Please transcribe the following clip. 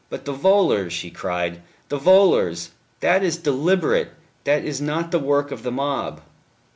"But the volors," she cried, "the volors! That is deliberate; that is not the work of the mob."